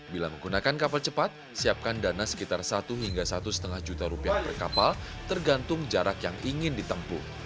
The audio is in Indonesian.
bila menggunakan kapal cepat siapkan dana sekitar satu hingga satu lima juta rupiah per kapal tergantung jarak yang ingin ditempuh